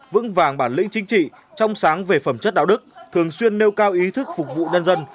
vững vàng bản lĩnh chính trị trong sáng về phẩm chất đạo đức thường xuyên nêu cao ý thức phục vụ nhân dân